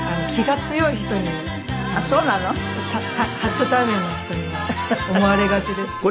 初対面の人には思われがちですけども。